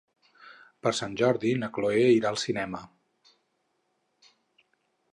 Per Sant Jordi na Chloé irà al cinema.